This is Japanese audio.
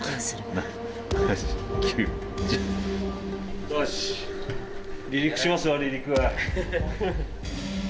よし離陸しますよ離陸。